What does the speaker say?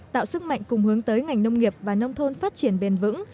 tạo sức mạnh cùng hướng tới ngành nông nghiệp và nông thôn phát triển bền vững